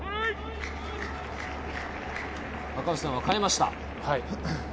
赤星さんは変えました。